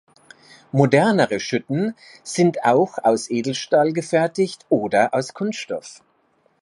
Modernere Schütten sind auch aus Edelstahl gefertigt oder aus Kunststoff.